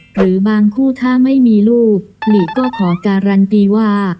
หรือบางคู่ถ้าไม่มีลูกหลีก็ขอการันตีว่า